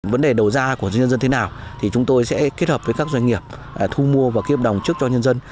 vấn đề đầu ra của nhân dân thế nào thì chúng tôi sẽ kết hợp với các doanh nghiệp thu mua và kiếp đồng trước cho nhân dân